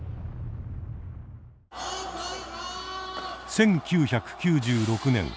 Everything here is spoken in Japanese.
１９９６年。